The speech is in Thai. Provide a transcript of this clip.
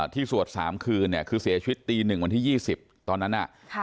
ที่สวดสามคืนคือเสียชวิตตีหนึ่งวันที่ยี่สิบตอนนั้น